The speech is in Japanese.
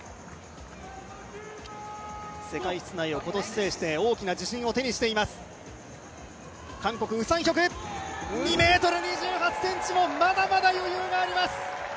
世界室内を今年制して大きな自信を手にしています韓国、ウ・サンヒョク、２ｍ２８ｃｍでもまだまだ余裕があります。